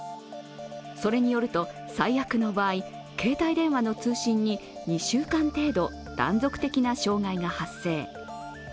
それによると最悪の場合、携帯電話の通信に２週間程度、断続的な障害が発生。